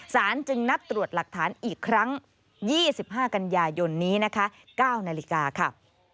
สารจึงนัดตรวจหลักฐานอีกครั้ง๒๕กันยายนนี้๙นาฬิกา